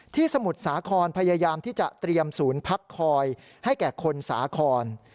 สมุทรสาครพยายามที่จะเตรียมศูนย์พักคอยให้แก่คนสาคร